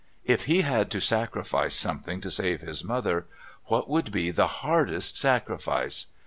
If he had to sacrifice something to save his mother, what would be the hardest sacrifice?